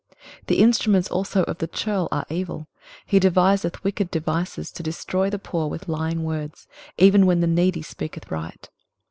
23:032:007 The instruments also of the churl are evil: he deviseth wicked devices to destroy the poor with lying words, even when the needy speaketh right.